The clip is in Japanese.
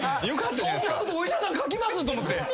そんなことお医者さん書きます！？と思って。